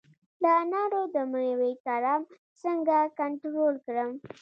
د انارو د میوې کرم څنګه کنټرول کړم؟